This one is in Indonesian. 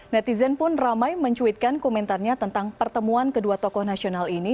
netizen pun ramai mencuitkan komentarnya tentang pertemuan kedua tokoh nasional ini